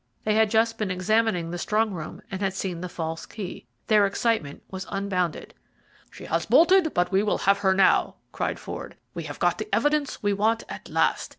They had just been examining the strong room, and had seen the false key. Their excitement was unbounded. "She has bolted, but we will have her now," cried Ford. "We have got the evidence we want at last.